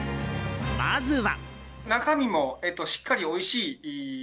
まずは。